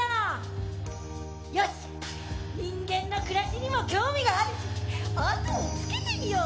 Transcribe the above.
よし人間の暮らしにも興味があるし後をつけてみよう！